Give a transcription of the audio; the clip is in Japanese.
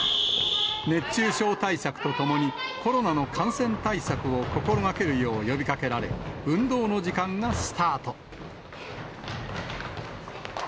熱中症対策とともに、コロナの感染対策を心がけるよう呼びかけられ、運動の時間がスタート。